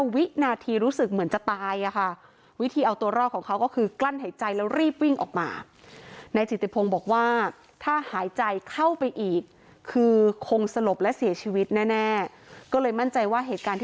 ๕วินาทีรู้สึกเหมือนจะตาย